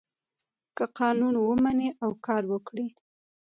که قانون ومني او کار وکړي.